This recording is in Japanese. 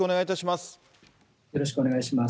よろしくお願いします。